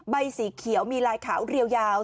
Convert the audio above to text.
ใบสีเขียวมีลายขาวเรียวยาว